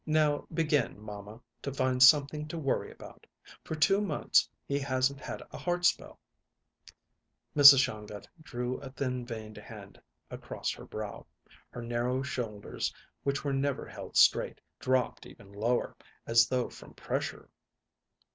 "Now begin, mamma, to find something to worry about! For two months he hasn't had a heart spell." Mrs. Shongut drew a thin veined hand across her brow. Her narrow shoulders, which were never held straight, dropped even lower, as though from pressure.